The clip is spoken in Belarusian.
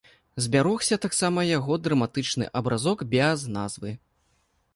Збярогся таксама яго драматычны абразок без назвы.